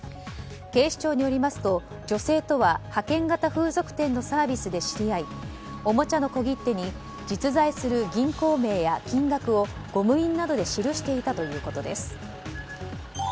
警視庁によりますと女性とは派遣型風俗店のサービスで知り合いおもちゃの小切手に実在する銀行名や金額をゴム印などで記していたということです。